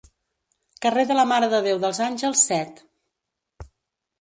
Carrer de la Mare de Déu dels Àngels, set.